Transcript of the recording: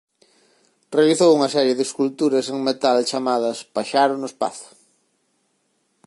Realizou unha serie de esculturas en metal chamadas "Paxaro no Espazo".